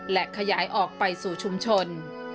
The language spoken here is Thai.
และขยายออกไปสู่ชุมชน